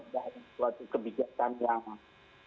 dari suatu kebijakan yang